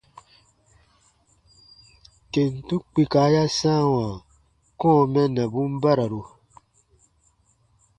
Kentu kpika ya sãawa kɔ̃ɔ mɛnnabun bararu.